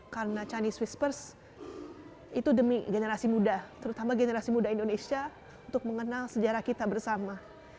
karena chinese whispers itu demi generasi muda terutama generasi muda indonesia untuk mengenal sejarah kita bersama